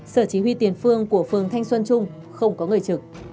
sở chỉ huy tiền phương của phường thanh xuân trung không có người trực